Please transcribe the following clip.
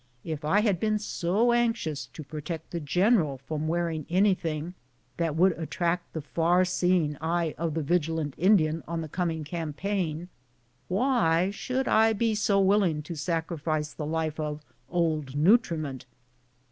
If I had been so anxious to protect the general from wearing anything that would attract the far seeing eye of the vigilant Indian on the coming campaign, why should I be so willing to sacrifice the life of "Old Nutriment?"